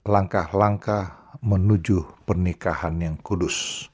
langkah langkah menuju pernikahan yang kudus